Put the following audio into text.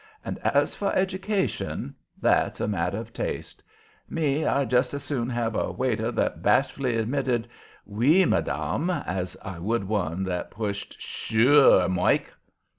And as for education, that's a matter of taste. Me, I'd just as soon have a waiter that bashfully admitted 'Wee, my dam,' as I would one that pushed 'Shur r e, Moike!'